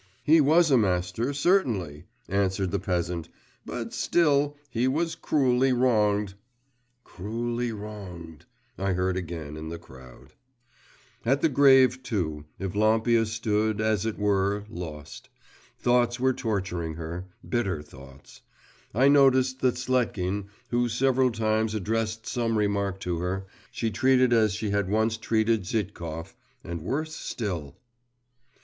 'He was a master, certainly,' answered the peasant, 'but still … he was cruelly wronged!' 'Cruelly wronged.…' I heard again in the crowd. At the grave, too, Evlampia stood, as it were, lost. Thoughts were torturing her … bitter thoughts. I noticed that Sletkin, who several times addressed some remark to her, she treated as she had once treated Zhitkov, and worse still.